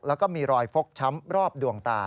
แล้วก็มีรอยฟกช้ำรอบดวงตา